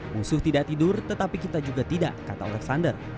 musuh tidak tidur tetapi kita juga tidak kata alexander